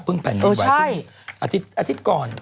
พึ่งแผ่นดินไหวแอทธิบาลก่อน